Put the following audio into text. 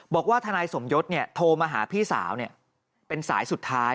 บอกว่าทนายสมยศโทรมาหาพี่สาวเป็นสายสุดท้าย